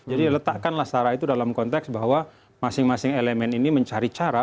jadi letakkanlah sara itu dalam konteks bahwa masing masing elemen ini mencari cara